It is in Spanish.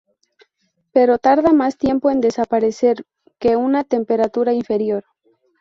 Pero tarda más tiempo en desaparecer que a una temperatura inferior.